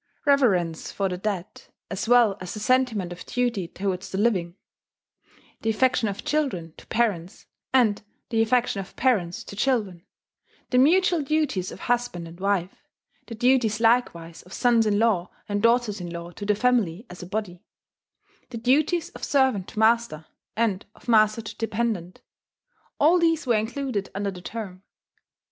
Reverence for the dead, as well as the sentiment of duty towards the living; the affection of children to parents, and the affection of parents to children; the mutual duties of husband and wife; the duties likewise of sons in law and daughters in law to the family as a body; the duties of servant to master, and of master to dependent, all these were included under the term.